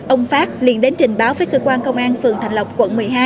ông phát liền đến trình báo với cơ quan công an phường thạnh lộc quận một mươi hai